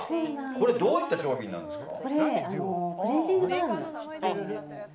これどういった商品なんですか？